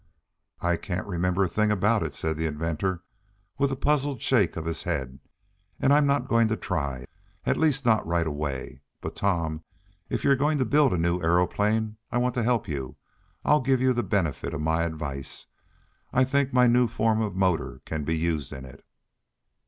"I can't remember a thing about it," said the inventor, with a puzzled shake of his head, "and I'm not going to try, at least not right away. But, Tom, if you're going to build a new aeroplane, I want to help you. I'll give you the benefit of my advice. I think my new form of motor can be used in it."